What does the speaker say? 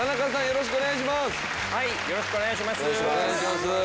よろしくお願いします。